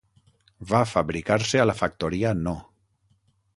Va fabricar-se a la Factoria No.